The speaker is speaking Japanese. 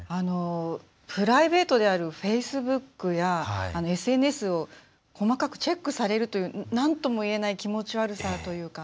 プライベートのフェイスブックやＳＮＳを細かくチェックされるというなんともいえない気持ち悪さというか。